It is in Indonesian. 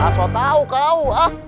asal tau kau